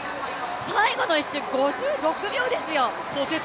最後の１周５６秒ですよ。